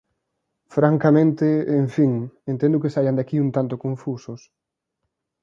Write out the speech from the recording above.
Francamente, en fin, entendo que saian de aquí un tanto confusos.